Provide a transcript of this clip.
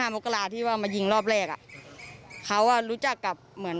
๒๕มกราที่ว่ามายิงรอบแรก